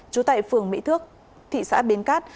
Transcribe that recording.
trú tại phường mỹ thước thị xã bến cát